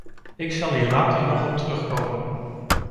Ik zal hier later nog op terugkomen.